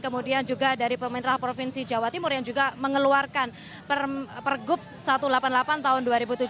kemudian juga dari pemerintah provinsi jawa timur yang juga mengeluarkan pergub satu ratus delapan puluh delapan tahun dua ribu tujuh belas